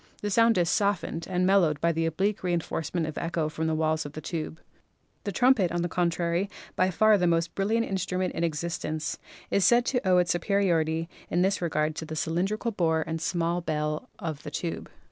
The sound is soft ened and mellowed by the oblique reinforcement of echo from the walls of the tube. The trumpet, on the contrary, by far the most brilliant instrument in existence, is said to owe its superiority in this regard to the cylindrical bore 136 PHYSICS and small bell of the tube.